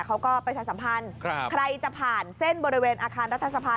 ประชาสัมพันธ์ใครจะผ่านเส้นบริเวณอาคารรัฐสภา